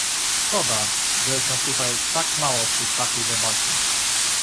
Szkoda, że jest nas tutaj tak mało przy takiej debacie